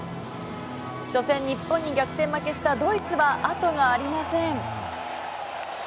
初戦、日本に逆転負けしたドイツは後がありません。